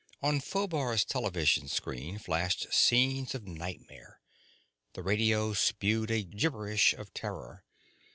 On Phobar's television screen flashed scenes of nightmare; the radio spewed a gibberish of terror.